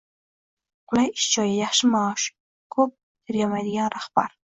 Qulay ish joyi, yaxshi maosh, ko‘p tergamaydigan rahbar